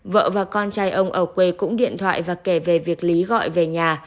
vợ và con trai ông ở quê cũng điện thoại và kể về việc lý gọi về nhà